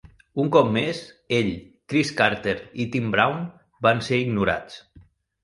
Un cop més, ell, Cris Carter i Tim Brown van ser ignorats.